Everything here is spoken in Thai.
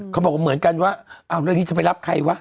เขาบอกว่าเหมือนกันว่าเรื่องนี้จะไปรับใครวะ